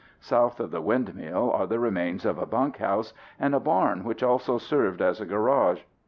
South of the windmill are the remains of a bunkhouse, and a barn which also served as a garage.